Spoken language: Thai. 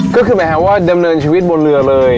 ก็คือหมายความว่าดำเนินชีวิตบนเรือเลย